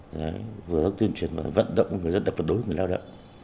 vừa tăng hưởng dựa các tuyên truyền và vận động người lao động